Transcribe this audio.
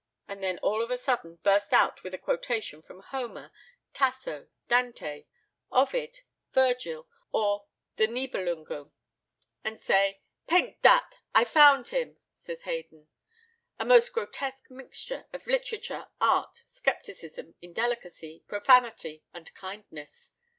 and then all of a sudden burst out with a quotation from Homer, Tasso, Dante, Ovid, Virgil, or the Niebelungen, and say, "Paint dat!" "I found him," says Haydon, "a most grotesque mixture of literature, art, scepticism, indelicacy, profanity, and kindness.